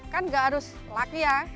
kan gak harus laki ya